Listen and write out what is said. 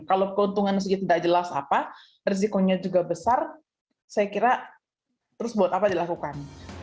kalau keuntungan segi tidak jelas apa resikonya juga besar saya kira terus buat apa dilakukan